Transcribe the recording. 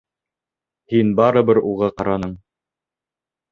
Һин барыбер уға ҡараның!